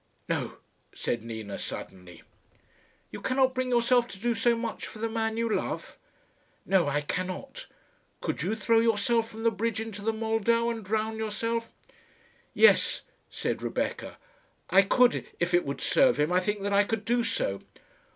"No," said Nina, suddenly. "You cannot bring yourself to do so much for the man you love?" "No, I cannot. Could you throw yourself from the bridge into the Moldau, and drown yourself?" "Yes," said Rebecca, "I could. If it would serve him, I think that I could do so."